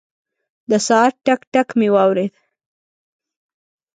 د ساعت ټک، ټک مې واورېد.